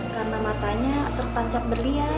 karena matanya tertancap berliat